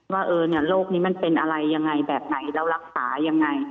ว่าโรคนี้มันเป็นอะไรยังไงแบบไหนแล้วรักษายังไง